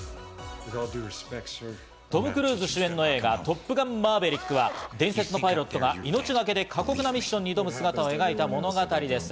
トム・クルーズ主演の映画『トップガンマーヴェリック』は、伝説のパイロットが命がけで過酷なミッションに挑む姿を描いた物語です。